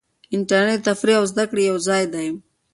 انټرنیټ د تفریح او زده کړې یو ځای دی.